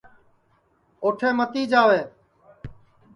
اُوٹھے متی جاوے